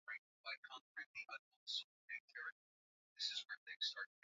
na Magadu ambapo Ukoo wa Mdengo unashika jukumu hilo kwa sasaPia hali nyingine